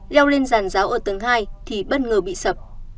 thông tin rằng giáo ở tầng hai thì bất ngờ bị sập